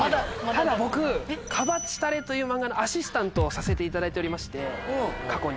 ただ僕『カバチタレ！』という漫画の。をさせていただいておりまして過去に。